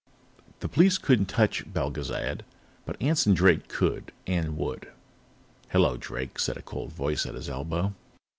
The police couldn't touch Belgezad, but Anson Drake could and would. "Hello, Drake," said a cold voice at his elbow.